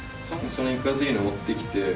そのいかついの持ってきて。